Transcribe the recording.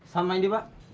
sama ini pak